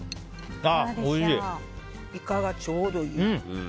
イカがちょうどいい。